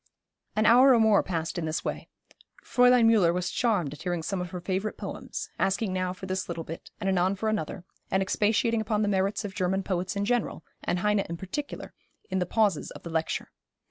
An hour or more passed in this way. Fräulein Müller was charmed at hearing some of her favourite poems, asking now for this little bit, and anon for another, and expatiating upon the merits of German poets in general, and Heine in particular, in the pauses of the lecture.